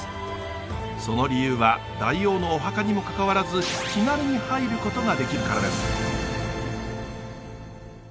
その理由は大王のお墓にもかかわらず気軽に入ることができるからです。